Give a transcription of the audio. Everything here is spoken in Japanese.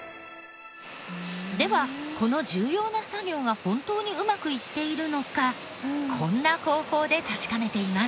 ではこの重要な作業が本当にうまくいっているのかこんな方法で確かめています。